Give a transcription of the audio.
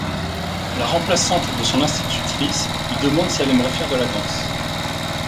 La remplaçante de son institutrice lui demande si elle aimerait faire de la danse.